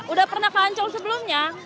udah pernah kancung sebelumnya